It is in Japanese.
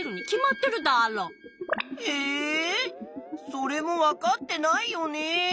それもわかってないよね。